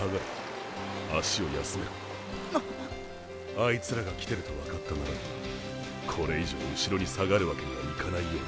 あいつらが来てると分かったならばこれ以上後ろに下がるわけにはいかないようだ。